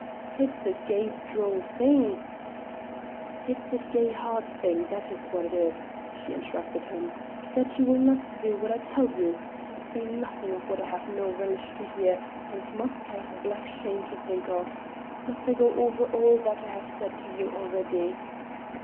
"It's a gey droll thing " "It's a gey hard thing, that is what it is," she interrupted him, "that you will not do what I tell you, and say nothing of what I have no relish to hear, and must have black shame to think of. Must I go over all that I have said to you already?